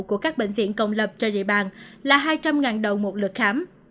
của các bệnh viện công lập trên địa bàn là hai trăm linh đồng một lượt khám